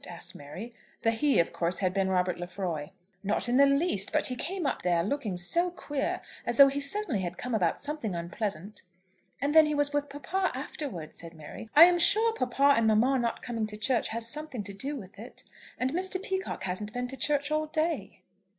asked Mary. The "he" had of course been Robert Lefroy. "Not in the least; but he came up there looking so queer, as though he certainly had come about something unpleasant." "And then he was with papa afterwards," said Mary. "I am sure papa and mamma not coming to church has something to do with it. And Mr. Peacocke hasn't been to church all day."